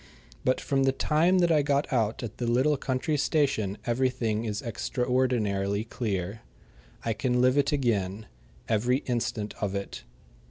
But from the time that I got out at the little country station everything is extraordinarily clear. I can live it again every instant of it.